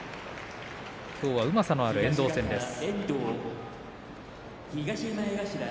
きょうは、うまさのある遠藤戦です。